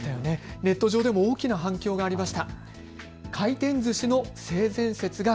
ネット上でも大きな反響がありました。